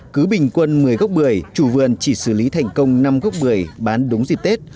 cứ bình quân một mươi gốc bưởi chủ vườn chỉ xử lý thành công năm gốc bưởi bán đúng dịp tết